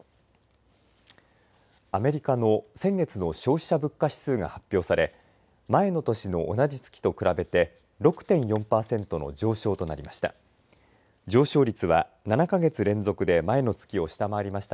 アメリカの先月の消費者物価指数が発表され前の年の同じ月と比べて６．４パーセントの上昇となりました。